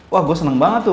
wah gue seneng banget tuh